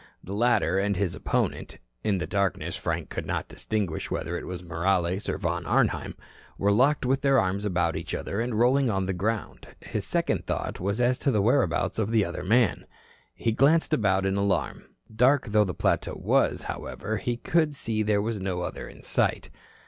The latter and his opponent in the darkness Frank could not distinguish whether it was Morales or Von Arnheim were locked with their arms about each other and rolling on the ground. His second thought was as to the whereabouts of the other man. He glanced about in alarm. Dark though the plateau was, however, he could see there was no other in sight.